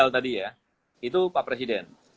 tadi ya itu pak presiden